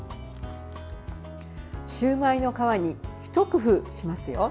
シューマイの皮に一工夫しますよ。